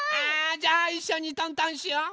じゃあいっしょにトントンしよう！